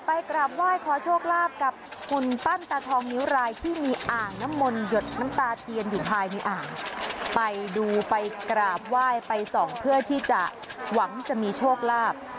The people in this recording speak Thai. กราบไหว้ขอโชคลาภกับหุ่นปั้นตาทองนิ้วรายที่มีอ่างน้ำมนต์หยดน้ำตาเทียนอยู่ภายในอ่างไปดูไปกราบไหว้ไปส่องเพื่อที่จะหวังจะมีโชคลาภ